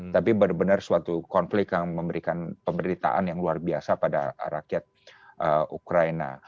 tapi benar benar suatu konflik yang memberikan pemberitaan yang luar biasa pada rakyat ukraina